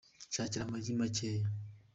Nshakira amagi makeya